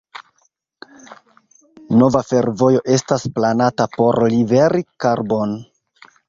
Nova fervojo estas planata por liveri karbon.